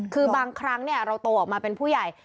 คือบางครั้งเราโตออกมาเป็นผู้ใหญ่